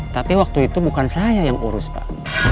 tapi waktu itu bukan saya yang urus pak